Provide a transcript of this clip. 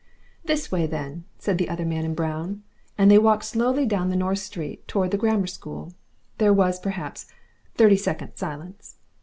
"This way, then," said the other man in brown, and they walked slowly down the North Street towards the Grammar School. There was, perhaps, thirty seconds' silence.